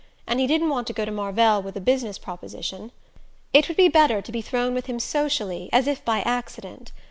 And he didn't want to go to Marvell with a "business proposition" it would be better to be thrown with him socially as if by accident.